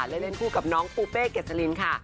และเล่นคู่กับน้องปูเป้เกษลินค่ะ